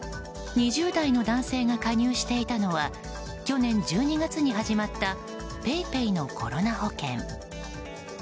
２０代の男性が加入していたのは去年１２月に始まったＰａｙＰａｙのコロナ保険。